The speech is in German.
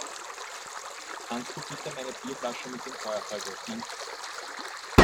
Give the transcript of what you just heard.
Kannst du bitte meine Bierflasche mit dem Feuerzeug öffnen?